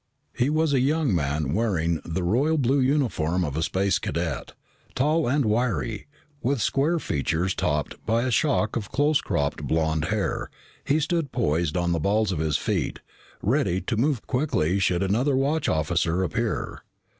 He was a young man wearing the royal blue uniform of a Space Cadet. Tall and wiry, with square features topped by a shock of close cropped blond hair, he stood poised on the balls of his feet, ready to move quickly should another watch officer appear.